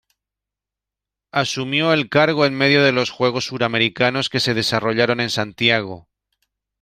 Asumió el cargo en medio de los Juegos Suramericanos que se desarrollaron en Santiago.